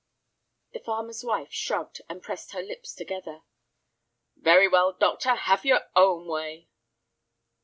The farmer's wife shrugged, and pressed her lips together. "Very well, doctor, have your own way."